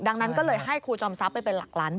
ดังนั้นก็เลยให้ครูจอมทรัพย์ไปเป็นหลักล้าน